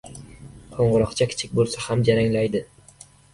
• Qo‘ng‘iroqcha kichik bo‘lsa ham jaranglaydi.